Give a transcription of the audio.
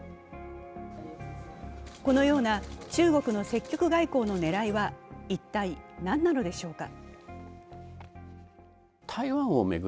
このような中国の積極外交の狙いは一体、何なのでしょうか。